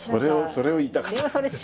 それを言いたかった。